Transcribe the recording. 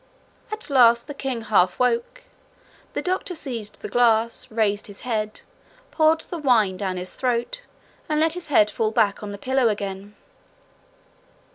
At last the king half woke. The doctor seized the glass, raised his head, poured the wine down his throat, and let his head fall back on the pillow again.